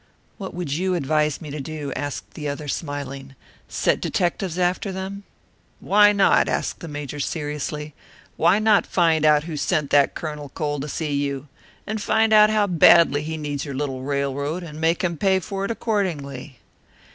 "What would you advise me to do?" asked the other, smiling. "Set detectives after them?" "Why not?" asked the Major, seriously. "Why not find out who sent that Colonel Cole to see you? And find out how badly he needs your little railroad, and make him pay for it accordingly."